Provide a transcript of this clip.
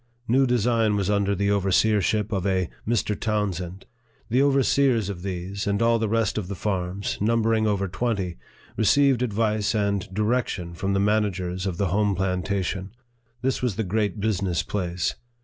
New Design was under the overseer ship of a Mr. Townsend. The overseers of these, and all the rest of the farms, numbering over twenty, re ceived advice and direction from the managers of the home plantation. This was the great business place.